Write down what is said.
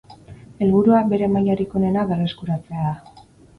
Helburua, bere mailarik onena berreskuratzea da.